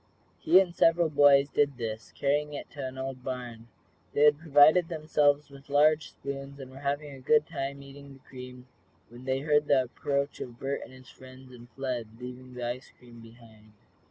He and several boys did this, carrying it to the old barn. They had provided themselves with large spoons, and were having a good time, eating the cream, when they heard the approach of Bert and his friends, and fled, leaving the cream behind.